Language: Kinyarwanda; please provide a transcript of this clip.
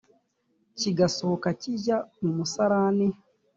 kigasohoka kijya mu musarani